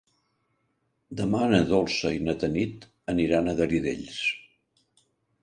Demà na Dolça i na Tanit aniran als Garidells.